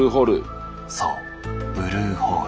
そうブルーホール。